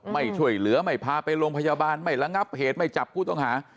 ไม่ช่วยเหลือไม่พาไปโรงพยาบาลไม่ระงับเหตุไม่จับผู้ต้องหา